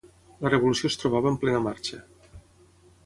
La revolució es trobava en plena marxa.